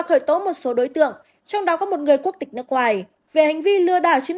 khởi tố một số đối tượng trong đó có một người quốc tịch nước ngoài về hành vi lừa đảo chiếm